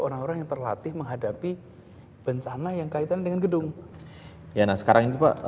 orang orang yang terlatih menghadapi bencana yang kaitan dengan gedung ya nah sekarang itu pak